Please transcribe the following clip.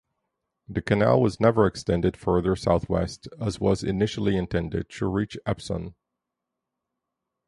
The canal was never extended further south-west, as was initially intended, to reach Epsom.